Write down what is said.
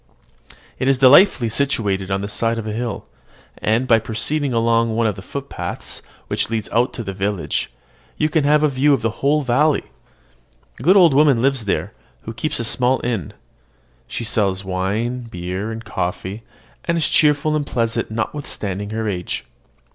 It is delightfully situated on the side of a hill; and, by proceeding along one of the footpaths which lead out of the village, you can have a view of the whole valley. A good old woman lives there, who keeps a small inn. She sells wine, beer, and coffee, and is cheerful and pleasant notwithstanding her age.